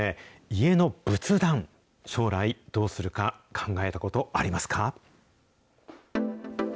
家の仏壇、将来どうするか考えたことありますか？